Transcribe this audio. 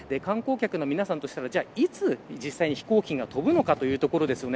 観光客の皆さんとしたらいつ飛行機が飛ぶのかというところですよね。